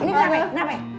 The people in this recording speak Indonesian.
ini kenapa ya